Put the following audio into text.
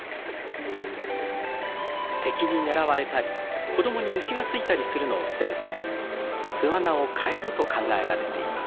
敵に狙われたり子供に虫が付いたりするのを防ぐため巣穴を替えると考えられています。